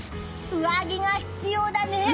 上着が必要だね！